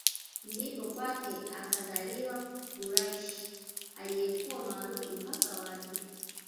Ndipo kwake akzaliwa Quraysh aliyekuwa maarufu mpaka watu